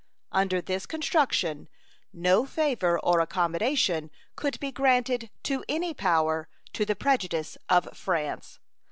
Under this construction no favor or accommodation could be granted to any power to the prejudice of France.